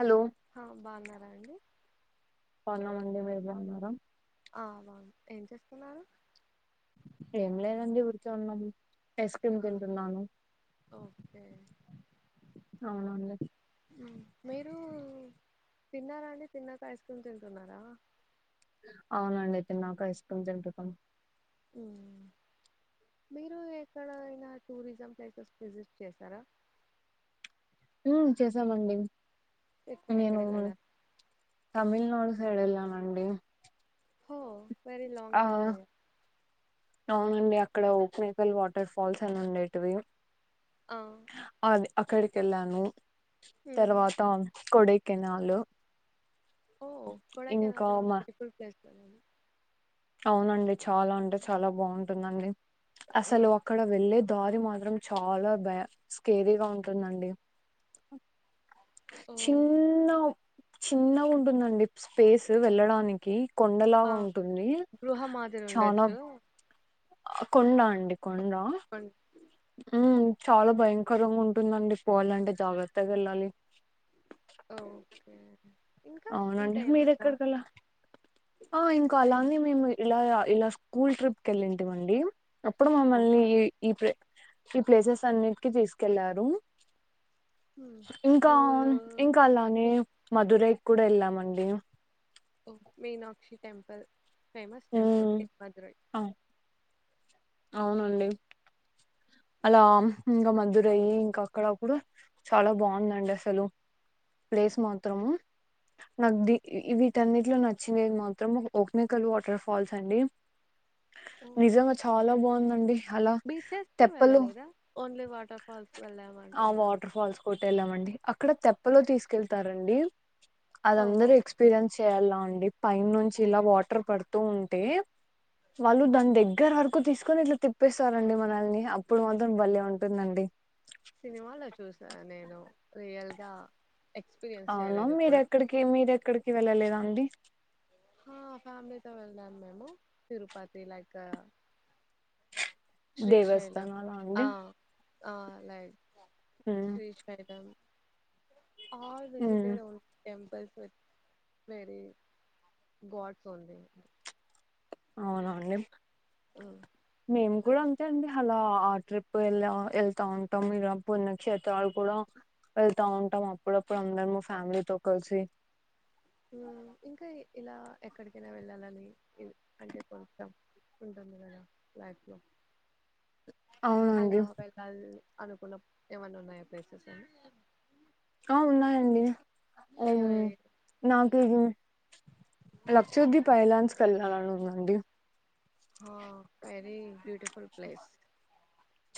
Hello ఆ బాగున్నారా అండి చాలా మంది మీ ఉన్నారుా ఆ బను ఏం చేస్తున్నారు ఏం లేదండి ఉర్కేవున్నాం ఐస్ క్రీమ్ తింటున్నాను ఓకే అవునండి మీరు తిన్నారా అండి తిన్నాక ఐస్ క్రీమ్ తింటున్నారా అవునండి తిన్నాక ఐస్ క్రీమ్ తింటున్నాం ఉమ్మ్ మీరు ఎక్కడైనా టూరిజం ప్లేసెస్ విజిట్ చేసారా మ్మ్ చేసామండి నేను ఎక్కడెక్కడికి వెళ్ళారు తమిళ అటు సైడ్ వెళ్ళామండి హో వెరీ లాంగ్ జర్నీ అవునండి అక్కడ ఓక్ మేకల్ వాటర్ ఫాల్స్ అని ఉండేటివి ఆ అది అక్కడికి వెళ్ళాను ఉమ్. తర్వాత కొడై కొడైకెనాల్ ఓ ఇంకా కొడైకెనాల్ చాలా మా బ్యూటిఫుల్ ప్లేస్ కదా అండి అవునండి చాలా అంటే చాలా బాగుంటుందండి అసలు మ్మ్ అక్కడ వెళ్లేేది దారి మాత్రం చాలా బ స్కేరీగా ఉంటుందండి ఓ చిన్న చిన్న ఉంటుందండి స్పేస్ వెళ్ళడానికి ఆ కొండలాగా ఉంటుంది గృహ మాదిరి చానా ఉండచ్చు కొండ అండి కొండ కొన్- ఉ చాలా భయంకరంగా ఉంటుందండి పోవాలంటే జాగ్రత్తగా వెళ్ళాలి ఓకే ఇంకా ఇంకా అవునండి ఏమన్నా మీరెక్కడికలా ఆ ఇంకో నే అలాని మేము ఇలా ఇలా స్కూల్ ట్రిప్ కి వెళ్ళింటిమండి అప్పుడు ఓ మమ్మల్ని ఈ ఈ ట్రిప్ ఈ ప్లేసెస్ అన్నిటికి తీసుకెళ్లారు ఇంకా స్కూల్ ఇంకా అలానే మధురై కూడా ఎల్లామండి ఓ Meenakshi temple famous temple um, in Madurai ఆ, అవునండి అలా ఇంకా మధురై ఇంకా అక్కడ కూడా చాలా బాగుందండి అసలు ప్లేస్ మాత్రం నాకు ది వీటన్నిట్లో నచ్చిినది మాత్రం ఓమెకల్ వాటర్ ఫాల్స్ అండి ఓ నిజంగా చాలా బాగుందండి అలా బీచెస్ తెప్పలు వెళ్ళలేదా ఓన్లీ వాటర్ ఫాల్స్ ఆ వెళ్ళామంటున్నారు వాటర్ ఫాల్స్ కూడా వెళ్ళామండి అక్కడ తెప్పలో తీసుకెళ్తారండి అది ఓ అందరు ఓకే ఎక్స్పీరియన్స్ చేయ్యాలా అండి పైన్ నుంచి ఇలా వాటర్ పడుతూ ఉంటే వాళ్ళు దాని దగ్గర వరకు తీసుకొని ఇట్లా తిప్పేస్తారండి మనల్ని అప్పుడు మాత్రం బలే ఉంటుందండి సినిమాలో చూసాను నేను రియల్గా ఎక్స్పీరియన్స్ అవునా చేయలేదు ఎప్పుడు మీరెక్కడికి మీరెక్కడికి వెళ్ళలేద అండి ఆ ఫ్యామిలీతో వెళ్ళాం మేము తిరుపతి లైక్ శ్రీశైలం దేవస్థానాల ఆ అండి ఆ like um Srisailam all um visited only time temples very gods only అవునండి మ్మ్ మేం కూడా అంతే అండి అలా ఆ ట్రిప్ వె వెళ్తా ఉంటాం ఇలా పుణ్యక్షేత్రాలు కూడా వెళ్తా ఉంటాం అప్పుడప్పుడు అందరము మా ఫ్యామిలీతో కలిసి ఊ ఇంకా ఇలా ఎక్కడికైనా వెళ్ళాలని ఇ అంటే కొంచెం ఉంటుంది కదా లైఫ్ లో అవునండి అలా వెళ్ళాలి అనుకున్నం. ఏమన్న ఉన్నాయా ప్లేసెస్ అనీ ఆ ఉన్నాయండి అయ్యి నాకు ఇది లక్షదీప్ ఐలాండ్స్ కి ఎల్ ల్లలాన్ ఉందండి హ వెరీ బ్యూటిఫుల్ ప్లేస్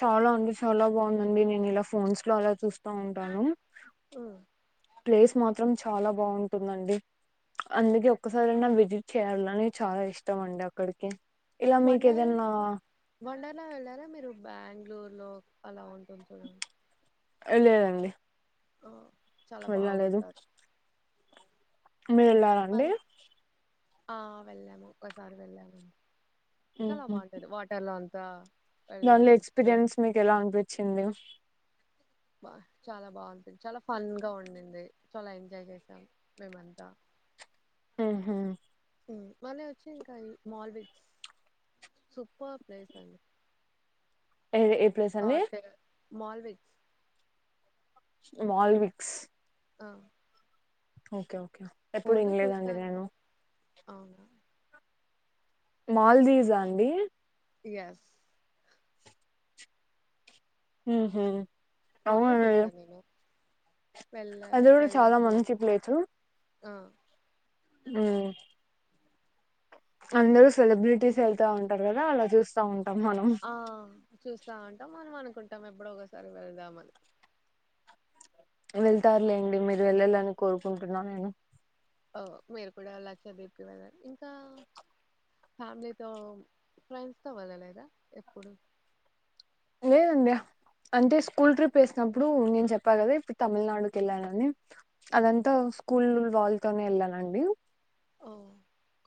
చాలా అంటే చాలా బాగుందండి, నేను ఇలా ఫోన్స్ లో అలా చూస్తా ఉంటాను. ప్లేస్ మాత్రం చాలా బావుంటుందండి. అందుకే ఒక్కసారైనా విజిట్ చేయాలని, చాలా ఇష్టం అండి అక్కడికి. ఇలా మీకు వండార ఏదైనా మా వండర్లా వెళ్లారా మీరు? బాంగ్లూర్ లో అలా ఉంటుంది చూడండ్ ఏలేదండి తో చాలా బాగుంటాద్ మీరేళ్లారా? అండి. ఆ వెళ్ళాము ఒక్కసారి వెళ్ళాము, చాలా బాగుంటది వాటర్లో అంతా. దాన్లో వెళ్ళచ్చు ఎక్స్పీరియన్స్ మీకు ఎలా అనిపించింది? బా చాలా బావుంటాది, చాలా ఫన్ గా ఉండింది, చాలా ఎంజాయ్ చేసాం. మేమంతా అహ్ హా ఉమ్ మళ్ళీ వచ్చి ఇంకా. ఈ మాల్విక్స్ సూపర్ ప్లేస్ అండి. ఏది ఏ ప్లేస్ అండి? థాట్ మాల్విక్స్ మాల్విక్స్ ఆవ్ ఓకే ఓకే ఎప్పుడు ఇన్లేదండి చూసాను నేను. అవునా మాల్దీవ్సా అండి? ఎస్ ఉహ్ హు ఫోన్ లో చూస్తాన్ నేను వెళ్ళ అది కూడా చాలా వెళ్ళాల్సిన మంచి ప్లేచు ఆ దే అందరూ సెలబ్రిటీస్ ఎళ్తా ఉంటారు గదా, అలా చూస్తా ఉన్ ఆ చూస్తా ఉంటాం. మనం అనుకుంటాం, ఎప్పుడో ఒకసారి వెళ్దామని. వెళ్తారులేండి. మీరు వెళ్ళాలని కోరుకుంటున్నా నేను. ఓ మీరు కూడా లక్షద్వీప్ కి వెళ్ళాలి. ఇంకా ఫ్యామిలీతో, ఫ్రెండ్స్ తో వెల్లలేదా. ఎప్పుడు? లేదండ్య అంటే స్కూల్ ట్రిప్ ఏసినప్పుడు, నేను చెప్పా గాదా. ఇప్పుడు తమిళనాడుకి వెళ్ళానని. అదంతా స్కూల్ వాళ్తోనే ఎళ్ళానండి. ఓ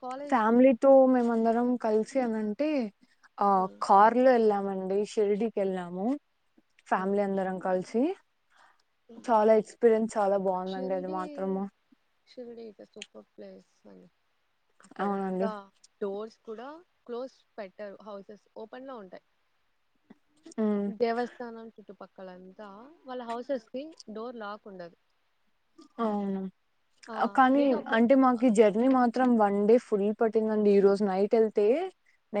కాలేజ్ లో ఫ్యామిలీతో మేమందరం కలిసామంటే, ఆ ఉమ్ కార్లో వెళ్ళామన్ డి షిరిడికి వెళ్ళాము. ఉమ్ ఫ్యామిలీ అందరం కలిసి. ఉమ్ చాలా ఎక్స్పీరియన్స్, చాలా బావుందండి. అది మాత్రము జస్ట్ సూపర్ ప్లేస్స్ అండి. అవునండి అక్కడంతా డోర్స్ కూడా క్లోజ్ పెట్టరు. హౌసెస్ ఓపెన్ లో ఉంటాయి. ఉమ్ దేవస్థానం చుట్టుపక్కలంతా, వాళ్ళ హౌసెస్ కి డోర్ లాక్ ఉండదు. అవునా. ఆ కానీ నేను ఒక అంటే మాకి జర్నీ మా త్రం వన్ డే ఫుల్ పట్టిందండి. ఈ రోజు నైట్ ఎళ్తే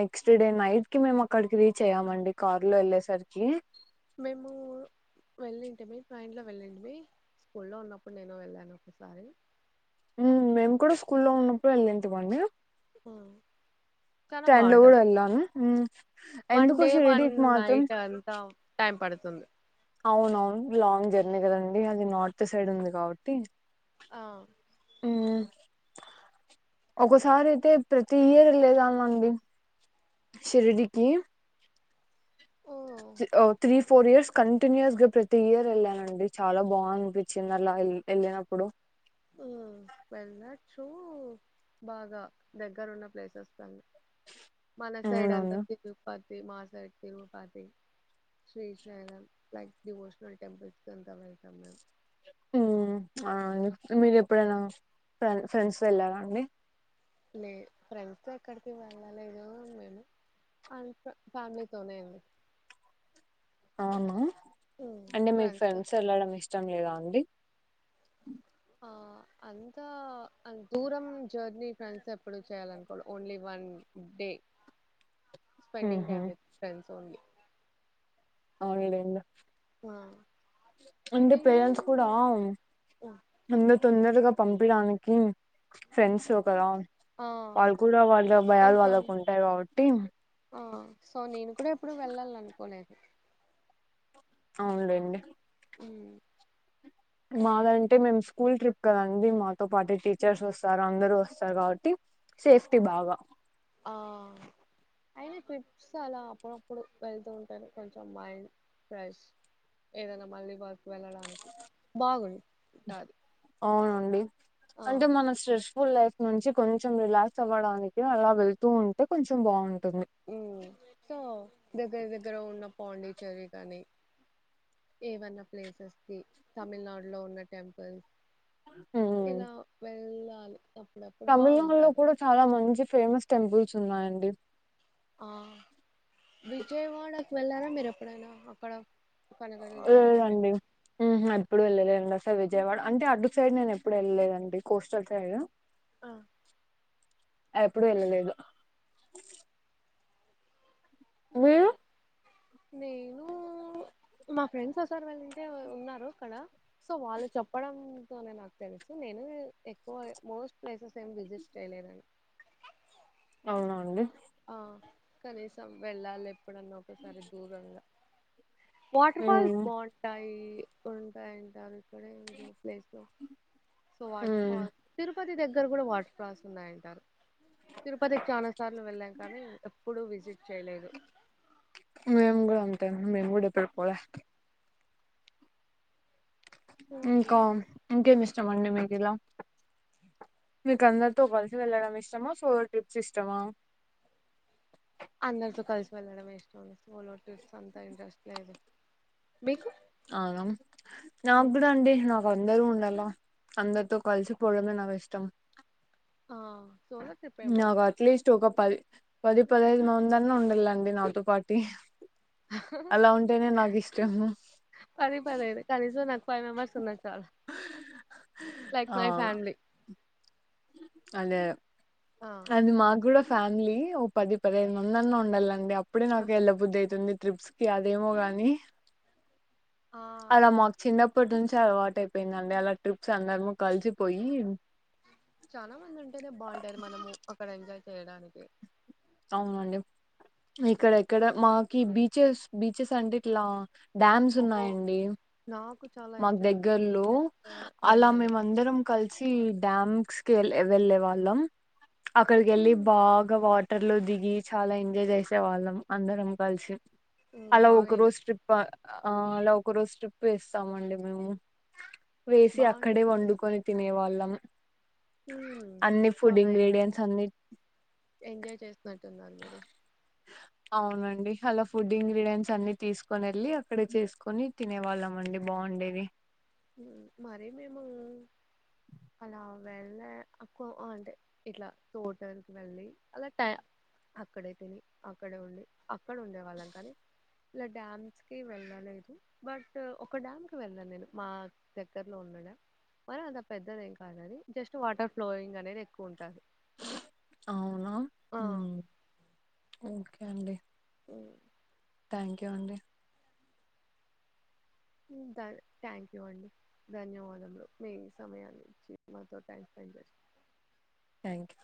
నెక్స్ట్ డే నైట్ కి, మేము అక్కడికి రీచ్ అయ్యామండి. కార్ లో ఎళ్ళేసరికి మేమూ వెళ్ళింటి మీ ట్రేన్ లో వెళ్ళింటి మీ స్కూల్లో ఉన్నప్పుడు నేన్ మేము కూడా స్కూ ల్లొ ఉన్నప్పుడు వెళ్ళంతవడి ఆ చాన లో కూడా బాగుంటది వెళ్ళాను ఉమ్, వన్ ఎందుకో డే షిరిడి వన్ మాత్రం నైట్ అంతా టైం పడుతది, తం అవున అవును లాంగ్ జర్నీ కదండి అది నార్త్ సైడ్ ఉంది కాబట్టి ఆ ఒకసారి అయితే ప్రతి ఇయర్ వేలేదా అండీ షిరిడికి ఓ ఓ త్రీ ఫోర్ ఇయర్స్ కంటిన్యూస్ గా ప్రతి ఇయర్ వెళ్ళానండి చాలా బాగా అనిపించింది, అలా వెళ్ళినప్పుడు ఉ వెళ్ళొచ్చు బాగా దగ్గరున్న ప్లేసెస్ కానీ మన సైడు అంత అవునవును తిరుపతిమా side Tirupati Srisailam like devotional temples క అంతా వెళ్తాం మేము, ఉ ఆ మీరు ఎప్పుడైనా ఫ్రెండ్స్ తో వెళ్ళారాండి, లే ఫ్రెండ్స్ ఎక్కడికి వెళ్ళలేదు మేము అంత ఫ్యామిలీ తోనే అండీ [unintelligible] అవునా ఉమ్, అంటే మీకు ఫ్రెండ్స్తో ఫ్రెండ్స్ ఎళ్ళడం ఇష్టం లేదా అండి, [unintelligible] ఇంకా దూరం జర్నీ ఫ్రెండ్స్ ఎప్పుడు చేయాల అనుకో ఓన్లీ వన్ డే [unintelligible] స్పెండింగ్ ఉహు టైం విత్ ఫెండ్స్ ఓన్లీ అవునులేేండి, ఆ అంటె మీరు పేరెంట్స్ కూడా ఉమ్, అవ్ తొందరగా పంపిడానికి ఫ్రెండ్స్ తో కదా ఆ వాళ్ళ కూడా వాళ్ళ భయాలు కొంచెం వాళ్ళకు ఉంటాయి కాబట్టి ఆ సో నేను కూడా ఎప్పుడు వెళ్ళాలనుకోలేదు, అవున్లేండి, ఉ మాదంటే మేము స్కూల్ ట్రిప్ కదండి మాతో పాటు టీచర్స్ వస్తారు అందరు వస్తారు, కాబట్టి సేఫ్టి బాగా ఆ అయిన ట్రిప్స్ అలా అప్పుడప్పుడు వెళ్తూ ఉంటేనే కొంచెం మైండ్ ఫ్రెష్ ఏదైనా మళ్ళీ వర్కు వెళ్ళడానికి బాగుంది. అవునండి ఆ అంటె మన శ లైఫ్ నుంచి కొంచెం రిలాక్స్ అవ్వడానికి అలా వెళ్తూ ఉంటే కొంచెం బాగుంటుంది. ఉమ్. టుంది సో దగ్గర దగ్గర ఉన్న పాండిచేరి కాని ఏవన్నా ప్లేసెస్కి తమిళనాడు లో ఉన్న టెంపుల్స్, [unintelligible] ఇలా వెళ్ళాలి అప్పుడప్పుడు తమిళనాడులో బాగుంటాది. కూడా చాలా మంచి ఫేమస్ టెంపుల్స్ ఉన్నాయండి, ఆ విజయవాడకి వెళ్ళారా మీరు ఎప్పుడైనా అక్కడ కనకదుర్గమ్మ టెంపుల్ లేదండి ఎప్పుడు వెళ్ళలేదు విజయవాడ అంటే అటు సైడ్ నేను ఎప్పుడు వెళ్ళలేదండి కోస్టల్ సైడ్ ఆ ఎప్పుడు వెళ్ళలేదు, ఆ. మీరు నేను మా ఫ్రెండ్స్ ఒకసారి వెళ్ళింటే ఉన్నారు అక్కడ సో వాళ్ళు చెప్పడంతోనే నాకు తెలుసు నేను ఎక్కువ మోస్ట్ ప్లేసస్ ఏ విసిట్ చేయలేదండి అవునండి ఆ కనీసం వెళ్ళాలి ఎప్పుడన్నా ఒకసారి దూరంగా వాటర్ ఉమ్ ఫాల్స్ బాంటాయి ఉంటాయంటారు ఇక్కడ ఏదో place so um waterfall Tirupati దగ్గ ఇరు కూడా వాటర్ ఫాల్స్ ఉన్నాయంటారు తిరుపతికి చాలా సార్లు వెళ్ళాను కానీ ఎప్పుడూ విజిట్ చేయలేదు మేము కూడా అంత మెంకూడ ఎప్పుడూ పోలే ఇంకా మ్మ్. ఇంకేం ఇష్టం అండి మీదిలా మీక అందరితో కలిసి వెళ్ళడం ఇష్టమా సో ట్రిప్స్ ఇష్టమా అందరితో కలిసి వెళ్ళడం ఇష్టం సోలో ట్రిప్స్ అంత ఇంట్రెస్ట్ లేదు మీకు అవునా నా కూడా అండి నాకు అందరూ ఉ అలా అందరితో కలిసి పోవడమే నాకు ఇష్టం ఆ సోలో ట్రిప్ ఏం నాకు పోతాం అట్లీస్ట్ ఒక పది పది పదహైదు మంద అన్న ఉండాలండి నాతో పాటు పది పదయిదు కనీసం నాకు ఫైవ్ మెంబెర్స్ ఉన్నా చాలా లైక్ ఆ మై ఫ్యామిలీ అదే ఆ అది మాకు కూడా ఫ్యామిలీ ఓ పది పదిహేదు మంద అన్నా ఉండాలండి ఇప్పుడే నాకు ఎళ్ళబుద్ది అవుతుంది ట్రిప్స్ కి అదేమో గాని ఆ అలా మకు చిన్నప్పు ఇప్పటి నుంచి అలవాటు అయిపోయిందండి అలా ట్రిప్స్ అందరము కలిసిపోయి చాలా మంది ఉంటేనే బాగుంటాది మనము అక్కడ ఎంజాయ్ చేయడానికి అవునండి ఇక్కడ ఇక్కడ మాకి బీచెస్ బీచెస్ అంటే ఇట్లా డ్యామ్స్ ఓ ఉన్నాయండి నాకు చాలా మాకు ఇంట్రెస్ట్ దగ్గర్లో బీచెస్ అలా వెళ్ళాలి మేమ అందరం కలిసి డ్యామ్స్ క వెళ్ వెళ్ళే వాళ్ళం అక్కడికి వెళ్ళి ఉమ్, బాగా వా బట్టర్ లో దిగి చాలా ఎంజాయ్ చేసే వాళ్ళం అందరం కలిసి ఉమ్, అలా బాగా ఒక ఎన్- రోజ ట్రిప్ ఆ అలా ఒక రోజు ట్రిప్ వేస్తామండి మేము వేసి అక్కడే బాగుంటుంది వండుకొని తినే వాళ్ళం ఉమ్, అన్ని ఫుడ్ చాలా ఎన్- ఇంగ్రీడియంట్స్ అన్ని [inaudible] అ అవునండి అలా ఫుడ్ ఇంగ్రీడియంట్స్ అన్ని తీసుకొని వెళ్ళి అక్కడే చేసుకొని తినేవాళ్ళం అండి బాగుంట ఉండేది మరే మేము అలా వెళ్ళ అక్కువ అంటే ఇట్లా తోటలకు వెళ్ళి అలా ట అక్కడే తిని అక్కడే ఉండి అక్కడ ఉండే వాళ్ళం కాని ఇలా డ్యామ్స్ కి వెళ్ద లేదు బట్ ఒక డ్యామ్ కి వెళ్దాను నేను మా దగ్గర్లో ఉన్న డ్యామ్ మరీ అంత పెద్దద ఏం కాదు అది జస్ట్ వాటర్ ఫ్లోయింగ్ అనేది ఎక్కువ ఉంటది అవునా ఆ ఓకే అండి అ థ్యాంక్ యూ అండి థ్యాంక్ యూ అండి ధన్యవాదములు మీ సమయానిచి మాతో టైమ్ థ్యాంక్